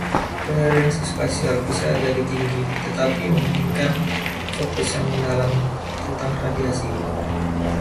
Koherensi spasial bisa jadi tinggi, tetapi, memungkinkan fokus yang mendalam tentang radiasi.